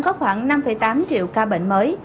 trong thống kê mỗi năm có khoảng năm tám triệu ca bệnh mới